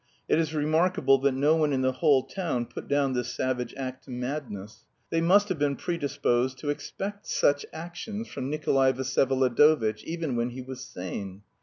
It is remarkable that no one in the whole town put down this savage act to madness. They must have been predisposed to expect such actions from Nikolay Vsyevolodovitch, even when he was sane.